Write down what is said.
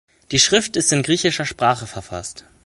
Die Schrift ist in griechischer Sprache verfasst.